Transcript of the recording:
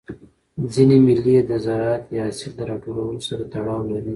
ځيني مېلې د زراعت یا حاصل د راټولولو سره تړاو لري.